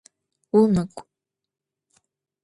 Vumık'u!